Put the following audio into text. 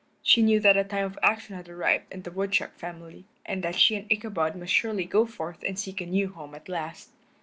She knew that a time of action had arrived in the woodchuck family, and that she and Ichabod must surely go forth and seek a new home at last.